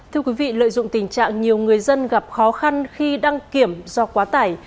thưa quý vị lợi dụng tình trạng nhiều người dân gặp khó khăn khi đăng kiểm do quá tải